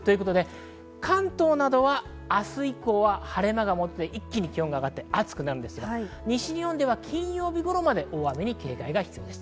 関東などは明日以降は晴れ間が戻って一気に気温が上がって暑くなりますが、西日本では金曜日頃まで大雨に警戒が必要です。